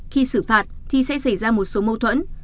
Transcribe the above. khi xử phạt thì sẽ xảy ra một số mâu thuẫn